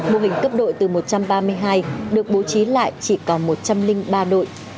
mô hình cấp đội từ một trăm ba mươi hai được bố trí lại chỉ còn một trăm linh ba đội